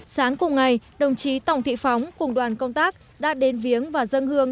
sáng cùng ngày đồng chí tòng thị phóng cùng đoàn công tác đã đến viếng và dân hương